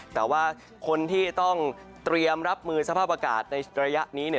แต่ว่าคนที่ต้องเตรียมรับมือสภาพอากาศในระยะนี้